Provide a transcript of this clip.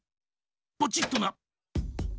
ポチっとな。